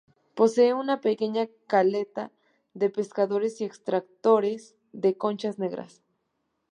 Posee una pequeña caleta de pescadores y extractores de conchas negras.